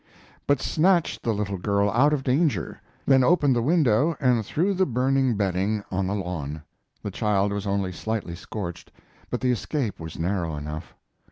] but snatched the little girl out of danger, then opened the window and threw the burning bedding on the lawn. The child was only slightly scorched, but the escape was narrow enough.